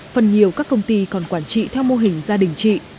phần nhiều các công ty còn quản trị theo mô hình gia đình chị